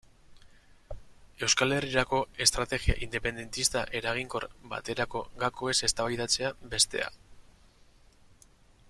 Euskal Herrirako estrategia independentista eraginkor baterako gakoez eztabaidatzea, bestea.